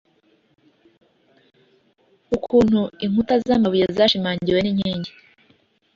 Ukuntu inkuta zamabuye zashimangiwe ninkingi